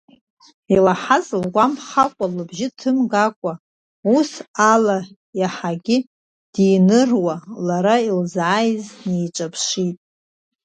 Илаҳаз лгәамԥхакәа, лбжьы ҭымгакәа, ус ала иаҳагьы диныруа, лара илзааиз днеиҿаԥшит.